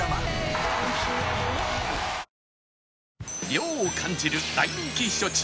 涼を感じる大人気避暑地